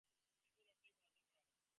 বিপুল অর্থই বরাদ্দ করা হল।